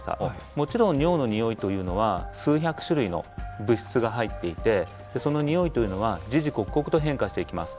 もちろん尿のニオイというのは数百種類の物質が入っていてそのニオイというのは時々刻々と変化していきます。